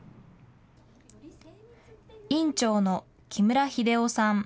院長の木村英夫さん。